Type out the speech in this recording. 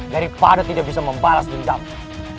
daripada tidak bisa membalas dendamnya